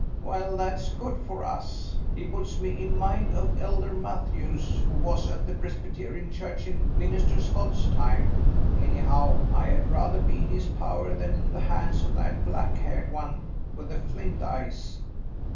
"Well, that's good for us. He puts me in mind of Elder Mathews who was at the Presbyterian Church in Minister Scott's time. Anyhow, I had rather be in his power than in the hands of that black haired one with the flint eyes.